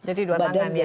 jadi dua tangan ya